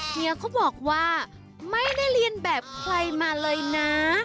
เฮียเขาบอกว่าไม่ได้เรียนแบบใครมาเลยนะ